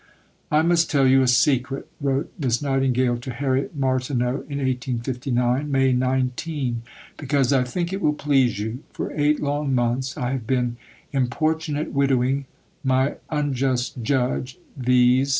"I must tell you a secret," wrote Miss Nightingale to Harriet Martineau in 1859 (May 19), "because I think it will please you. For eight long months I have been 'importunate widowing' my 'unjust judge,' viz.